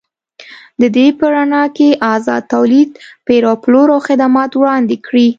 د دې په رڼا کې ازاد تولید، پېر او پلور او خدمات وړاندې کړي.